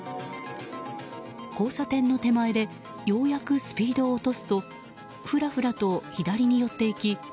交差点の手前でようやくスピードを落とすとふらふらと左に寄っていき